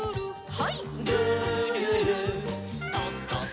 はい。